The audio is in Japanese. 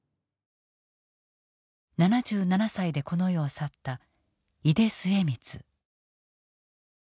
７７歳でこの世を去った井手末光。